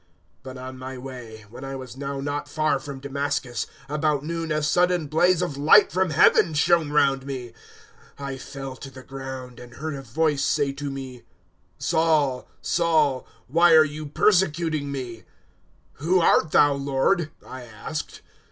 022:006 "But on my way, when I was now not far from Damascus, about noon a sudden blaze of light from Heaven shone round me. 022:007 I fell to the ground and heard a voice say to me, "`Saul, Saul, why are you persecuting Me?' 022:008 "`Who art thou, Lord?' I asked.